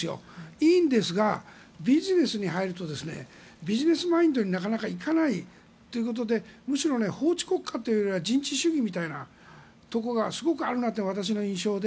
いいんですが、ビジネスに入るとビジネスマインドになかなか行かないということでむしろ法治国家というよりは人治主義みたいなところがすごくあるなというのが私の印象で。